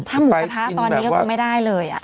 ถ้าหมูกระทะตอนนี้ก็คือไม่ได้เลย